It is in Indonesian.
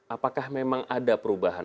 apakah memang ada perubahan